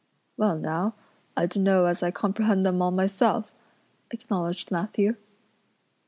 "Well now, I dunno as I comprehend them all myself," acknowledged Matthew.